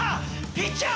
「ピッチャー